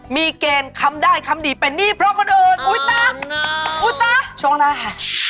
มีเกณฑ์คำได้คำดีเป็นนี่เพราะคนอื่นอุ้ยตั๊กอุ๊ซะช่วงหน้าค่ะ